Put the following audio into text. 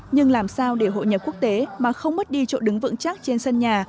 nhưng làm sao để hội nhập quốc tế mà không mất đi chỗ đứng vững chắc trên sân nhà